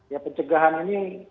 ya pencegahan ini